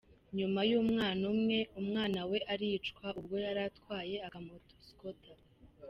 Nyuma y’ umwana umwe umwana we aricwa ubwo yari atwaye akamoto ‘scooter’.